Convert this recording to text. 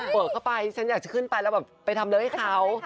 เปิดเข้าไปฉันอยากจะขึ้นไปแล้วแบบไปทำเรื่องให้เขา